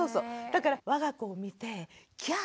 だから我が子を見てぎゃ